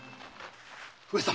上様。